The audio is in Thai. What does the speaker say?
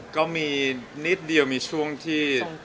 ก็มีนิดเดียวมีช่วงที่